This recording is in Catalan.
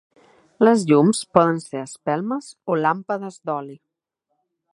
Les llums poden ser espelmes o làmpades d'oli.